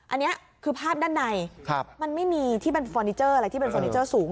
อันนี้คือภาพด้านในมันไม่มีที่เป็นฟอร์นิเจอร์อะไรที่เป็นเฟอร์นิเจอร์สูง